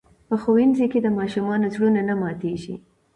په ښوونځي کې د ماشومانو زړونه نه ماتېږي.